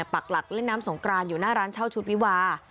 ปักหลักเล่นน้ำสงกรานอยู่หน้าร้านเช่าชุดวิวา